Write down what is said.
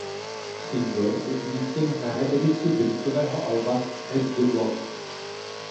Singl je umístěn na reedici debutového alba "Add the Blonde".